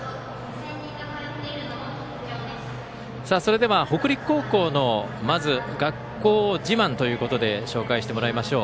それでは北陸高校の学校自慢ということで紹介してもらいましょう。